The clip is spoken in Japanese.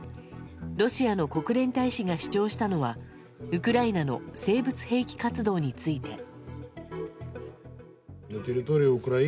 ロシアの国連大使が主張したのはウクライナの生物兵器活動について。